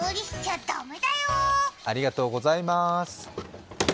ありがとうございます。